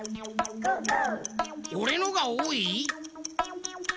おれのがおおい？